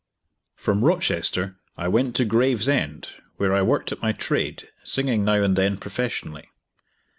From Rochester I went to Gravesend, where I worked at my trade, singing now and then professionally.